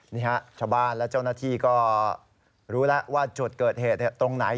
นี่ฮะชาวบ้านและเจ้าหน้าที่ก็รู้แล้วว่าจุดเกิดเหตุตรงไหน